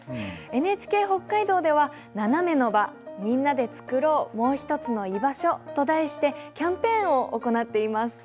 ＮＨＫ北海道では「ナナメの場みんなでつくろう、もうひとつの居場所」と題してキャンペーンを行っています。